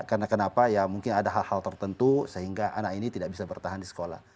karena kenapa ya mungkin ada hal hal tertentu sehingga anak ini tidak bisa bertahan di sekolah